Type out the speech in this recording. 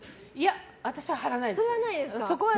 私は貼らないです。